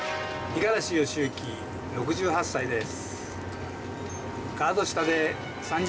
五十嵐義幸、６８歳です。